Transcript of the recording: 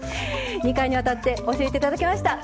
２回にわたって教えて頂きました。